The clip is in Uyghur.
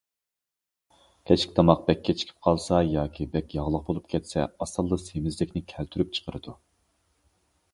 كەچلىك تاماق بەك كېچىكىپ قالسا ياكى بەك ياغلىق بولۇپ كەتسە، ئاسانلا سېمىزلىكنى كەلتۈرۈپ چىقىرىدۇ.